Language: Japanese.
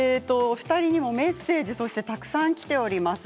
お二人にもメッセージたくさんきております。